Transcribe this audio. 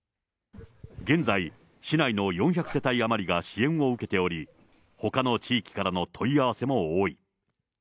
現在、市内の４００世帯余りが支援を受けており、ほかの地域からの問い合わせも多い。